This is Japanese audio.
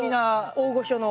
大御所の。